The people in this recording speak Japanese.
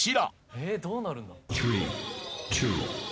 えっどうなるんだ？